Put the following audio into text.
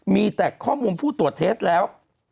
มีแต่ข้อมูลผู้ตรวจเทสแล้ว